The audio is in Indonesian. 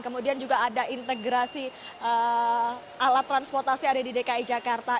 kemudian juga ada integrasi alat transportasi ada di dki jakarta